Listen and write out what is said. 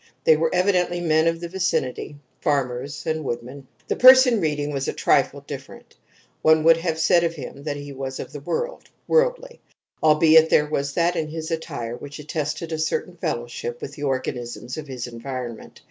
They were evidently men of the vicinity farmers and woodmen. The person reading was a trifle different; one would have said of him that he was of the world, worldly, albeit there was that in his attire which attested a certain fellowship with the organisms of his environment.